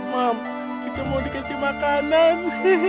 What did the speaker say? mam itu mau dikasih makanan